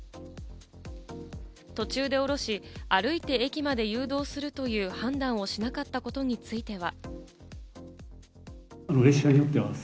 途中で降ろし、歩いて駅まで誘導するという判断をしなかったことについては。